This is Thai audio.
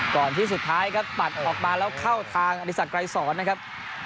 ก่อนที่สุดท้ายครับปัดออกมาแล้วเข้าทางอธิสักไกรสอนนะครับ